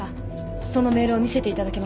そのメールを見せていただけますか？